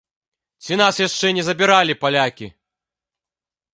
Ці нас яшчэ не забіралі палякі?